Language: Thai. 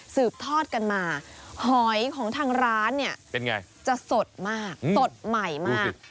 สืบทอดกันมาหอยของทางร้านเนี่ยเป็นไงจะสดมากสดใหม่มาก